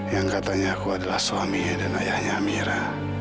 yang katanya aku adalah suaminya dan ayahnya amira